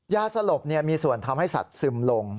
ยาสลบมีส่วนทำให้สัตว์ซึมลง